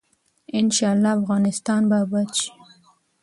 ان شاء الله افغانستان به اباد شي.